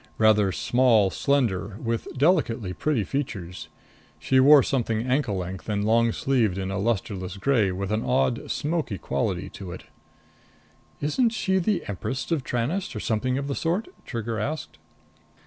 Rather small, slender, with delicately pretty features. She wore something ankle length and long sleeved in lusterless gray with an odd, smoky quality to it. "Isn't she the empress of Tranest or something of the sort?" Trigger asked.